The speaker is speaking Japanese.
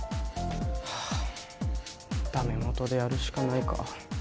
ハァ駄目もとでやるしかないか。